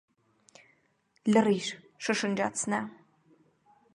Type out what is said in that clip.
- Լռի՛ր,- շշնջաց նա: